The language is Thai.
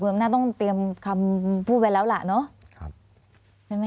อ๋อแต่คุณต้องเตรียมคำพูดไปแล้วล่ะเนาะ